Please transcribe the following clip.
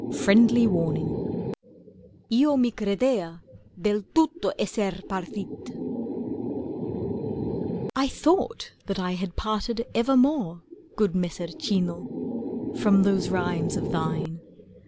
FRIENDLY WARNING lo mi credea del tutto esser partit I THOUGHT that I had parted evermore. Good Messer Cino, from those rhymes of thine.